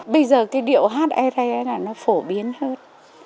bây giờ cái điệu hát ây rây ấy là nó phổ biến hơn